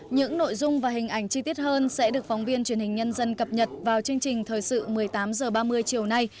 những nội dung và hình ảnh chi tiết hơn sẽ được phóng viên truyền hình nhân dân cập nhật vào chương trình thời sự một mươi tám h ba mươi chiều nay